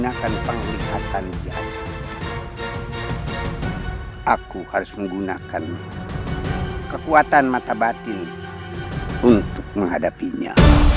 aku harus menggunakan kekuatan mata batin untuk menghadapinya